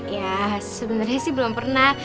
ya sebenarnya sih belum pernah